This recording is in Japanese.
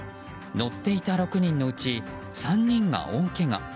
乗っていた６人のうち３人が大けが。